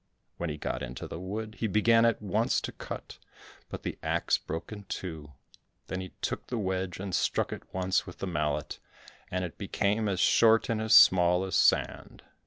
When he got into the wood, he began at once to cut, but the axe broke in two, then he took the wedge, and struck it once with the mallet, and it became as short and as small as sand.